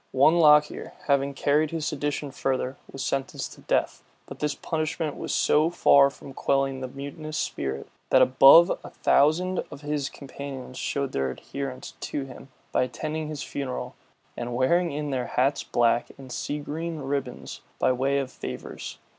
One Lockier, having carried his sedition further, was sentenced to death; but this punishment was so far from quelling the mutinous spirit, that above a thousand of his companions showed their adherence to him, by attending his funeral, and wearing in their hats black and sea green ribbons by way of favors.